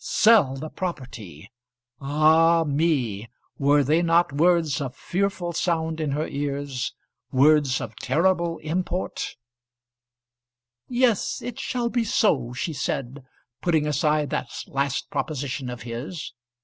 Sell the property! Ah, me! Were they not words of fearful sound in her ears, words of terrible import? "Yes, it shall be so," she said, putting aside that last proposition of his.